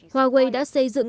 huawei đã xây dựng